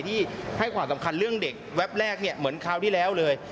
ที่ให้ความสำคัญเรื่องเด็กแวบแรกเหมือนคราวที่แล้วเลย